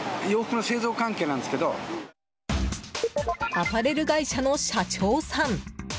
アパレル会社の社長さん。